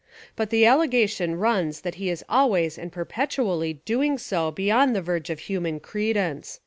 "But the allegation runs that he is always and perpetually doing so be yond the verge of human credence.